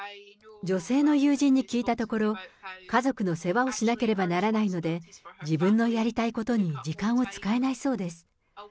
女性の友人に聞いたところ、家族の世話をしなければならないので、自分のやりたいことに時間を使えないそうです。